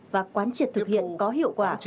và quán triệt thực hiện có hiệu quả